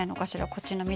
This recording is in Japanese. こっちの緑。